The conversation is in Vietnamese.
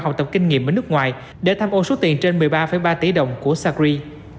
học tập kinh nghiệm ở nước ngoài để tham ô số tiền trên một mươi ba ba tỷ đồng của sacri